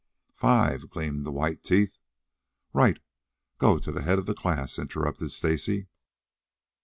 "Five," gleamed the white teeth. "Right. Go to the head of the class," interrupted Stacy.